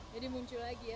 jadi muncul lagi ya